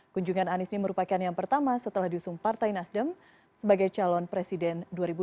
kunjungan anies ini merupakan yang pertama setelah diusung partai nasdem sebagai calon presiden dua ribu dua puluh